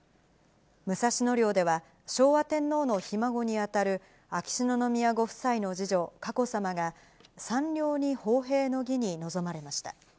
武蔵野陵では、昭和天皇のひ孫にあたる秋篠宮ご夫妻の次女、佳子さまが、山陵に奉幣の儀に臨まれました。